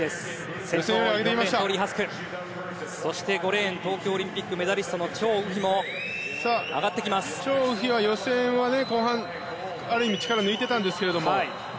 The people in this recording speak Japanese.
５レーン、東京オリンピックメダリストのチョウ・ウヒもチョウ・ウヒは予選は後半、ある意味力を抜いてたんですけども。